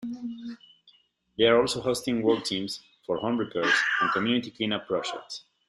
They are also hosting work teams for home repair and community clean-up projects.